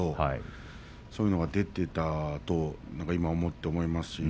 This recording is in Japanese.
そういうのが出ていたと今は思います。